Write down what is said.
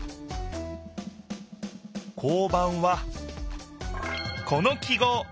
交番はこの記号。